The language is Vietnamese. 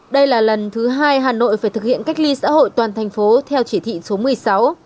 đây là lần thứ hai hà nội phải thực hiện cách ly xã hội toàn thành phố theo chỉ thị số một mươi sáu